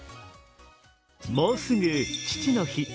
もうすぐ父の日。